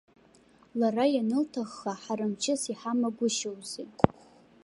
Лара ианылҭахха, ҳара мчыс иҳамагәышьоузеи!